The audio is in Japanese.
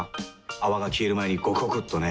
泡が消える前にゴクゴクっとね。